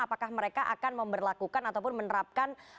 apakah mereka akan memperlakukan ataupun menerapkan